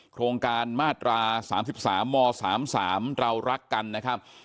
โครงการมาตรา๓๓ม๓๓เรารักกันนะครับ